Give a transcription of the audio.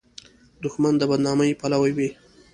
دښمن د بد نامۍ پلوی وي